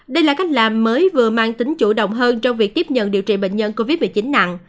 đây là cách làm mới vừa mang tính chủ động hơn trong việc tiếp nhận điều trị bệnh nhân covid một mươi chín nặng